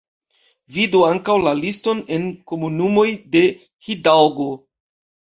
Vidu ankaŭ la liston en komunumoj de Hidalgo.